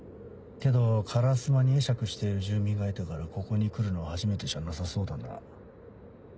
けど烏丸に会釈している住民がいたからここに来るのは初めてじゃなさそうだな。